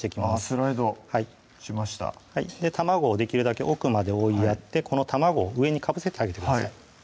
スライドしました卵をできるだけ奥まで追いやってこの卵を上にかぶせてあげてください